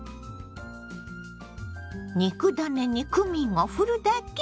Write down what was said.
肉ダネにクミンをふるだけ！